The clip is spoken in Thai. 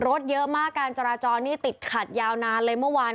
รถเยอะมากการจราจรนี่ติดขัดยาวนานเลยเมื่อวาน